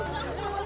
eh eh mau kabur